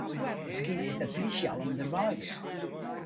Miskien is de plysje al ûnderweis.